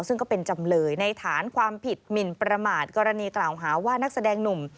ซึ่งก็เป็นจำเลยในฐานความผิดหมินประมาทกรณีกล่าวหาว่านักแสดงหนุ่ม